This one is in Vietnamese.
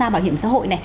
bảo hiểm xã hội